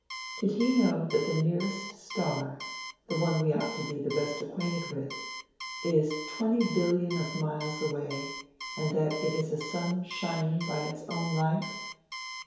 Did he know that the nearest star, the one we ought to be the best acquainted with, is twenty one billion of miles away, and that it is a sun shining by its own light?